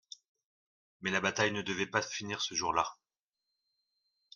Mais la bataille ne devait pas finir ce jour-là.